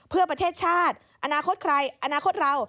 เพื่อประเทศชาติอนาคตใครอนาคตเรา